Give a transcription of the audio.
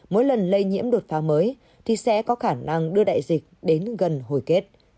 mỗi lần lây nhiễm đột phá mới thì sẽ có khả năng đưa đại dịch đến gần hồi kết